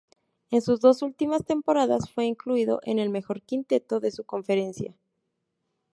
En sus dos últimas temporadas fue incluido en el mejor quinteto de su conferencia.